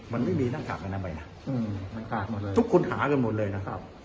มันไม่มีนั่งกากกันทำไมนะอืมนั่งกากหมดเลยทุกคนหากันหมดเลยนะครับ